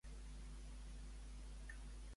On es vol que arribi el valencià?